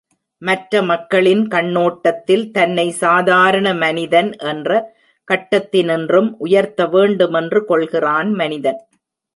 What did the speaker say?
மற்ற மக்களின் கண்ணோட்டத்தில் தன்னை சாதாரண மனிதன் என்ற கட்டத்தினின்றும் உயர்த்த வேண்டுமென்று கொள்கிறான் மனிதன்.